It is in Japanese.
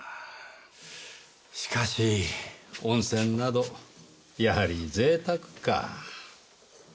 しかし温泉などやはり贅沢か。